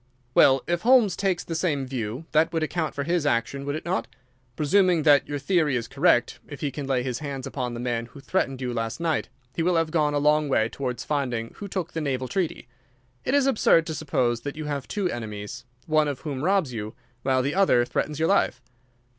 "Well, if Holmes takes the same view, that would account for his action, would it not? Presuming that your theory is correct, if he can lay his hands upon the man who threatened you last night he will have gone a long way towards finding who took the naval treaty. It is absurd to suppose that you have two enemies, one of whom robs you, while the other threatens your life."